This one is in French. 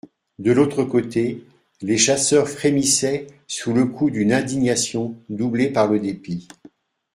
De l'autre côté, les chasseurs frémissaient sous le coup d'une indignation doublée par le dépit.